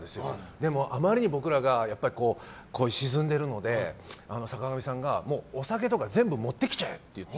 でも、あまりに僕らが沈んでいるので坂上さんがお酒とか全部持ってきちゃえって言って。